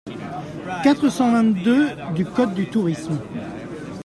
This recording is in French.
quatre cent vingt-deux-deux du code du tourisme.